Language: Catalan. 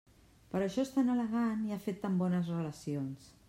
Per això és tan elegant i ha fet tan bones relacions.